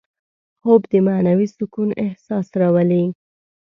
خوب د معنوي سکون احساس راولي